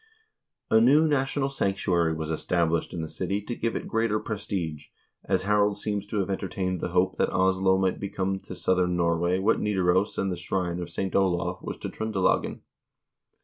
A new national sanctuary was established in the city to give it greater prestige, as Harald seems to have entertained the hope that Oslo might become to southern Norway what Nidaros and the shrine of St. Olav was to Tr0ndelagen.